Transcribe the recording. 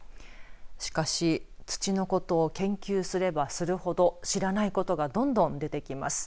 しかし土のことを研究すればするほど知らないことがどんどん出てきます。